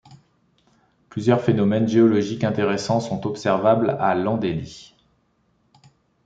Plusieurs phénomènes géologiques intéressants sont observables à Landelies.